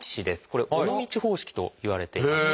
これ「尾道方式」といわれています。